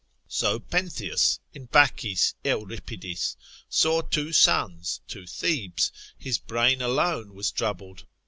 So Pentheus (in Bacchis Euripidis) saw two suns, two Thebes, his brain alone was troubled.